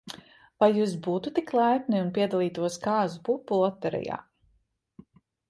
Vai jūs būtu tik laipni, un piedalītos kāzu pupu loterijā?